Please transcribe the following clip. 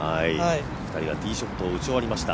２人がティーショットを打ち終わりました。